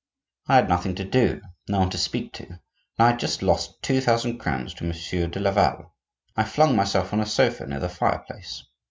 I had nothing to do, no one to speak to, and I had just lost two thousand crowns to Monsieur de Laval. I flung myself on a sofa near the fireplace.